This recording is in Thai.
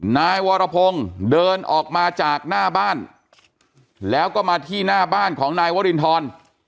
นายวรพงศ์เดินออกมาจากหน้าบ้านแล้วก็มาที่หน้าบ้านของนายวรินทร